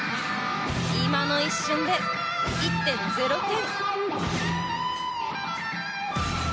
今の一瞬で１．０点。